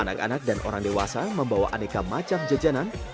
anak anak dan orang dewasa membawa anekamacam jajanan